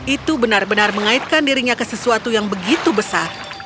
itu benar benar mengaitkan dirinya ke sesuatu yang begitu besar